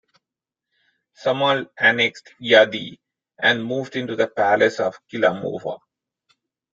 Sam'al annexed Ya'idi and moved into the palace of Kilamuva.